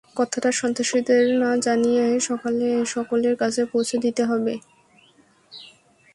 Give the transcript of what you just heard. কথাটা সন্ত্রাসীদেরকে না জানিয়ে সকলের কাছে পৌঁছে দিতে হবে।